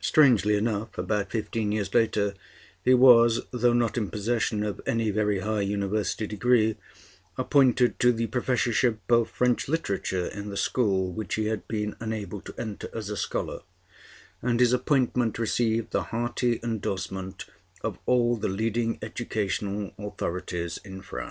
Strangely enough, about fifteen years later he was, though not in possession of any very high University degree, appointed to the Professorship of French Literature in the school which he had been unable to enter as a scholar, and his appointment received the hearty indorsement of all the leading educational authorities in France.